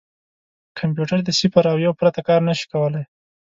کمپیوټر د صفر او یو پرته کار نه شي کولای.